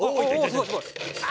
すごいすごい。